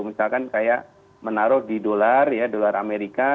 misalkan kayak menaruh di dolar ya dolar amerika